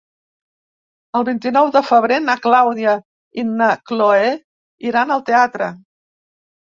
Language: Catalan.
El vint-i-nou de febrer na Clàudia i na Cloè iran al teatre.